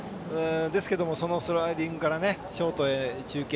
ですけどそのスライディングからショートへ中継。